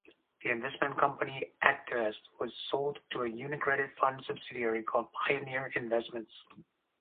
The investment company Activest was sold to a UniCredit fund subsidiary called Pioneer Investments.